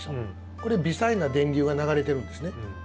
これ、微細な電流が流れてるんですね。